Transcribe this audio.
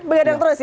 begadang terus ya